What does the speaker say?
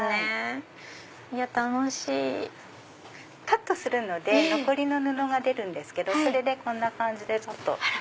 カットするので残りの布が出るんですけどそれでこんな感じで。